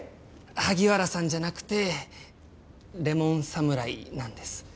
萩原さんじゃなくてレモン侍なんです。